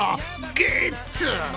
ゲッツ！